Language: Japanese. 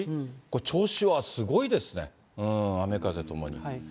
銚子はすごいですね、雨、風ともに。